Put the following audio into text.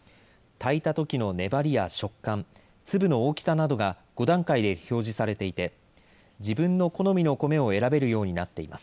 炊いたときの粘りや食感、粒の大きさなどが５段階で表示されていて自分の好みのコメを選べるようになっています。